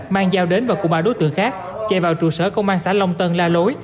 mang dao đến và cùng ba đối tượng khác chạy vào trụ sở công an xã long tân la lối